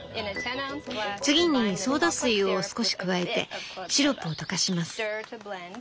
次にソーダ水を少し加えてシロップを溶かします」。